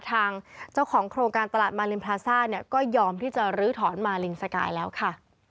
ทางเจ้าของโครงการตลาดมารินพลาซ่าเนี่ยก็ยอมที่จะลื้อถอนมาลินสกายแล้วค่ะ